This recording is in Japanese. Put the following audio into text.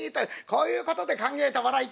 こういうことで考えてもらいてえんだ。